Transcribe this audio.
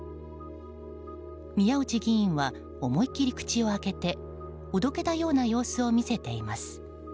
宮内議員は思い切り口を開けておどけたような様子を見せています。